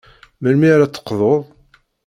Melmi ara d-teqḍud?